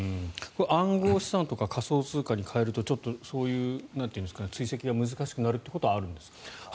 暗号資産とか仮想通貨に換えるとそういう追跡が難しくなるってことはあるんですか？